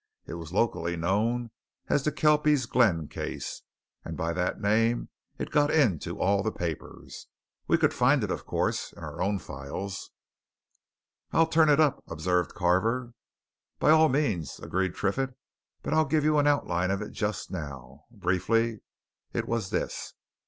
It was locally known as the Kelpies' Glen Case, and by that name it got into all the papers we could find it, of course, in our own files." "I'll turn it up," observed Carver. "By all means," agreed Triffitt; "but I'll give you an outline of it just now. Briefly, it was this.